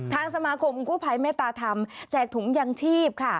ทางสมาคมกู้ภัยเมตตาธรรมแจกถุงยางชีพค่ะ